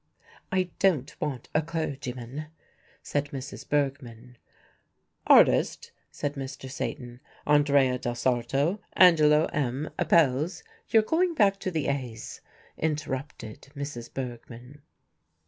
"I don't want a clergyman," said Mrs. Bergmann. "Artist?" said Mr. Satan, "Andrea del Sarto, Angelo, M., Apelles?" "You're going back to the A's," interrupted Mrs. Bergmann.